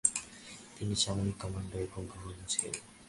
তিনি সামরিক কমান্ডার ও গভর্নর ছিলেন।